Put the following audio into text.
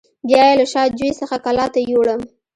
بیا یې له شا جوی څخه کلات ته یووړم.